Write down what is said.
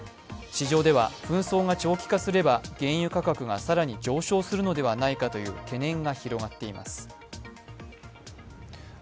市場では、紛争が長期化すれば原油価格が更に上昇するのではないかという懸念が広がっています。